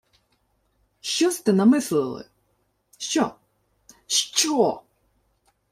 — Що сте намислили? Що, що!?